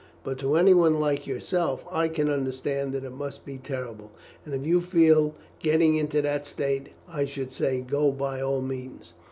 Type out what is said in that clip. But to anyone like yourself, I can understand that it must be terrible; and if you feel getting into that state, I should say go by all means."